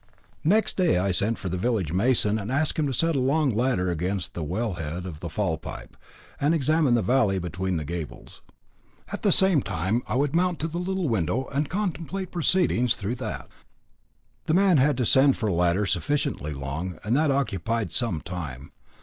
Next day I sent for the village mason and asked him to set a long ladder against the well head of the fall pipe, and examine the valley between the gables. At the same time I would mount to the little window and contemplate proceedings through that. The man had to send for a ladder sufficiently long, and that occupied some time.